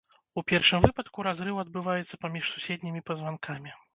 У першым выпадку разрыў адбываецца паміж суседнімі пазванкамі.